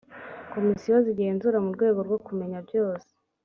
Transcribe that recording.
komisiyo z igenzura mu rwego rwo kumenya byose